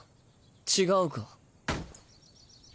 違うか？